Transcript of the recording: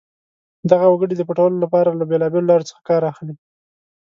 دغه وګړي د پټولو لپاره له بېلابېلو لارو څخه کار اخلي.